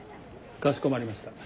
かしこまりました。